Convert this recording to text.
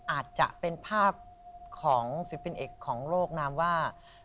อาจจะเป็นภาพของศิลปินเอกของโลกนามว่า